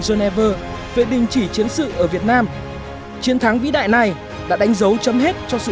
geneva về đình chỉ chiến sự ở việt nam chiến thắng vĩ đại này đã đánh dấu chấm hết cho sự